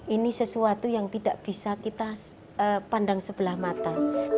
ini sesuatu yang tidak bisa kita pandang sebelah mata